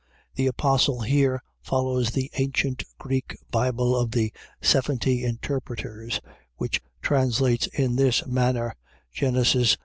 . .The apostle here follows the ancient Greek Bible of the seventy interpreters, (which translates in this manner, Gen. 47.